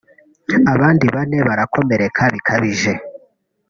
abandi bane barakomeka bikabije